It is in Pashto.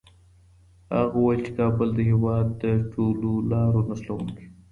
هغه وویل چي کابل د هېواد د ټولو لارو نښلوونکی دی.